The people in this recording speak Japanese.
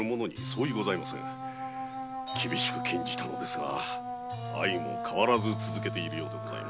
厳しく禁じたのですが相変わらず続けているようでございます。